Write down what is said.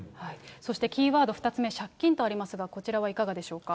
そしてキーワード２つ目、借金とありますが、こちらはいかがでしょうか。